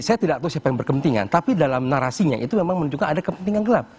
saya tidak tahu siapa yang berkepentingan tapi dalam narasinya itu memang menunjukkan ada kepentingan gelap